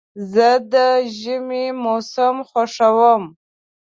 زه د ژمي موسم خوښوم.